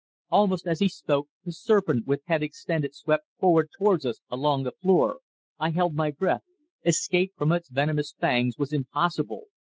Almost as he spoke, the serpent with head extended swept forward towards us, along the floor. I held my breath. Escape from its venomous fangs was impossible.